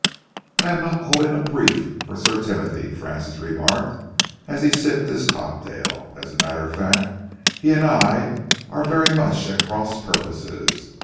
"I am not holding a brief for Sir Timothy," Francis remarked, as he sipped his cocktail. "As a matter of fact, he and I are very much at cross purposes.